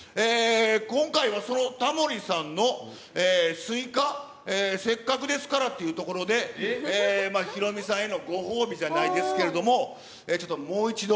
今回はそのタモリさんのスイカ、せっかくですからっていうところで、ヒロミさんへのご褒美じゃないですけど、ちょっともう一度。